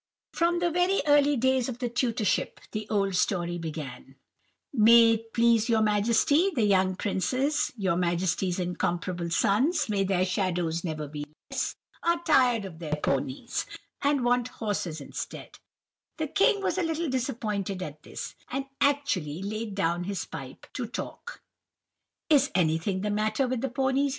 "From very early days of the tutorship, the old story began:— "'May it please your Majesty, the young princes, your Majesty's incomparable sons—may their shadows never be less!—are tired of their ponies, and want horses instead.' "The king was a little disappointed at this, and actually laid down his pipe to talk. "'Is anything the matter with the ponies?